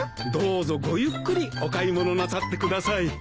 どうぞごゆっくりお買い物なさってください。